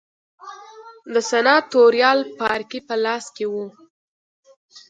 د سناتوریال پاړکي په لاس کې و